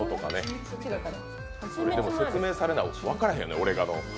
説明されないと分からへん、オレガノ。